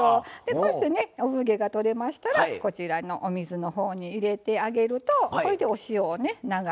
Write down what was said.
こうしてね産毛が取れましたらこちらのお水のほうに入れてあげるとこれでお塩を流してあげます。